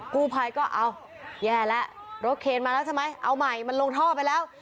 กู้ภัยก็เอาแย่แล้วรถเคนมาแล้วใช่ไหมเอาใหม่มันลงท่อไปแล้ว